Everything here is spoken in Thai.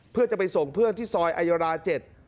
เพื่อจะไปส่งเพื่อนที่ซอยอายารา๗